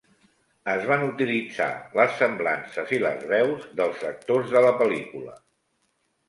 Es van utilitzar les semblances i les veus dels actors de la pel·lícula.